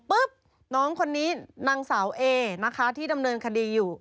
น้องคนนี้นางสาวเอนะคะที่ดำเนินคดีอยู่